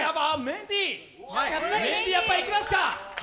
メンディー、やっぱりいきますか？